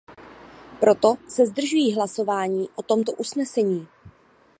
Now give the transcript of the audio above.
Proto se zdržuji hlasování o tomto usnesení.